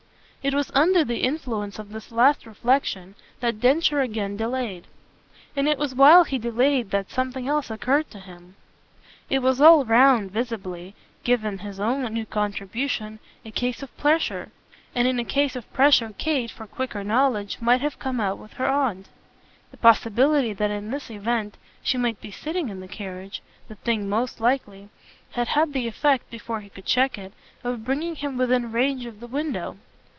It was under the influence of this last reflexion that Densher again delayed; and it was while he delayed that something else occurred to him. It was all round, visibly given his own new contribution a case of pressure; and in a case of pressure Kate, for quicker knowledge, might have come out with her aunt. The possibility that in this event she might be sitting in the carriage the thing most likely had had the effect, before he could check it, of bringing him within range of the window.